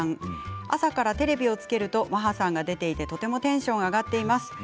朝からテレビをつけるとマハさんが出ていてとてもテンションが上がっています。